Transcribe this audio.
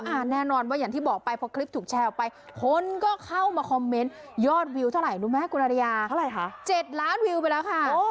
แน่นอนว่าอย่างที่บอกไปพอคลิปถูกแชร์ออกไปคนก็เข้ามาคอมเมนต์ยอดวิวเท่าไหร่รู้ไหมคุณอริยาเท่าไหร่คะ๗ล้านวิวไปแล้วค่ะ